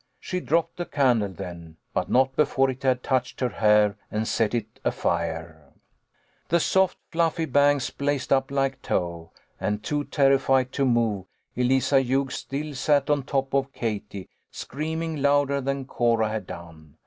She dropped the candle then, but not before it had touched her hair and set it afire. The soft fluffy bangs blazed up like tow, and too terrified to move, Eliza Hughes still sat on top of Katie, screaming louder than Cora had done.